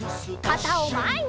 かたをまえに！